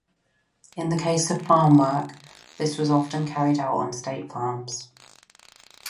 In the case of farm work, this was often carried out on state farms.